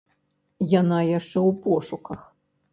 Яна яшчэ ў пошуках.